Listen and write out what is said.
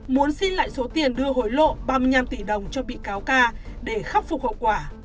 muốn xin lại số tiền đưa hối lộ ba mươi năm tỷ đồng cho bị cáo ca để khắc phục hậu quả